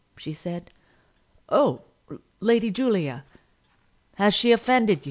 she said. "Oh, Lady Julia!" "Has she offended you?"